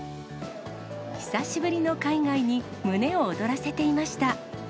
久しぶりの海外に、胸を躍らせていました。